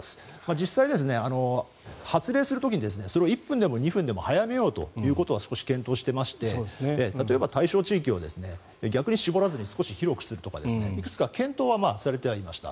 実際、発令する時にそれを１分でも２分でも早めようということは少し検討していまして例えば対象地域を逆に絞らずに少し広くするとか、いくつか検討はされてはいました。